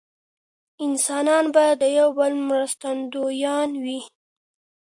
انسانان باید د یو بل مرستندویان وي.